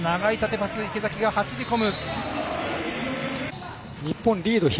池崎が走り込む。